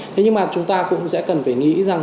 thế nhưng mà chúng ta cũng sẽ cần phải nghĩ rằng